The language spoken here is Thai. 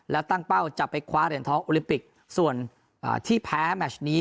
และตั้งเป้าจะไปคว้าเหรียญทองโอลิมปิกส่วนที่แพ้แมชนี้